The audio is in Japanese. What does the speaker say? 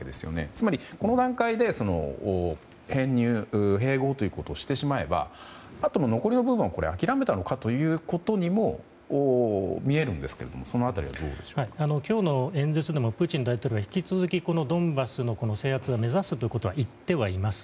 つまりこの段階で編入・併合をしてしまえばあとの残りの部分は諦めたのかというふうにも見えるんですけど今日の演説でもプーチン大統領は引き続きドンバスの制圧を目指すと言っています。